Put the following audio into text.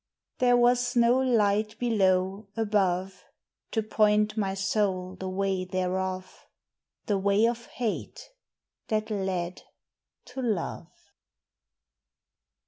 There was no light below, above, To point my soul the way thereof, The way of hate that led to love.